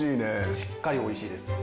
しっかり美味しいです。